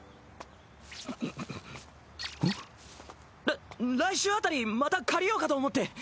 ら来週あたりまた借りようかと思って。